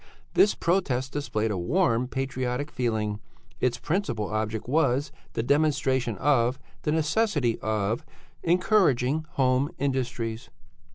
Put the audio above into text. This protest displayed a warm, patriotic feeling; its principal object was the demonstration of the necessity of encouraging home industries.